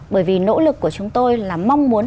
bởi vì nỗ lực của chúng tôi là mong muốn